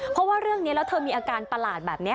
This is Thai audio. เพราะว่าเรื่องนี้แล้วเธอมีอาการประหลาดแบบนี้